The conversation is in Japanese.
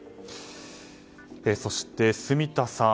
そして、住田さん。